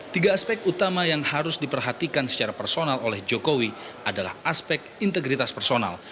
tiga aspek utama yang harus diperhatikan secara personal oleh jokowi adalah aspek integritas personal